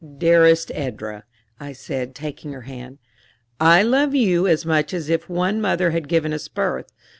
"Dearest Edra," I said, taking her hand, "I love you as much as if one mother had given us birth.